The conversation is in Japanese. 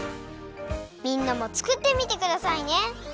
みんなもつくってみてくださいね！